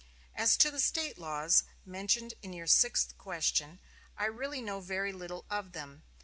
As to the State laws, mentioned in your sixth question, I really know very little of them.